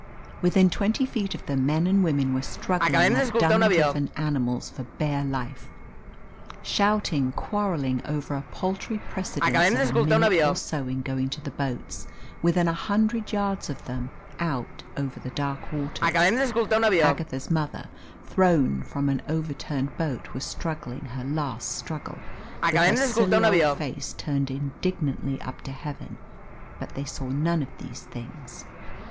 Within twenty feet of them men and women were struggling like dumb and driven animals for bare life struggling, shouting, quarrelling over a paltry precedence of a minute or so in going to the boats; within a hundred yards of them, out over the dark waters, Agatha's mother, thrown from an overturned boat, was struggling her last struggle, with her silly old face turned indignantly up to heaven. But they saw none of these things.